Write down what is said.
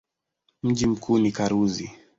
Mji mkuu ni Karuzi.